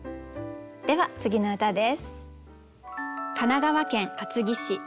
では次の歌です。